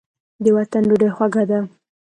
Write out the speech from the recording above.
د وطن ډوډۍ خوږه ده.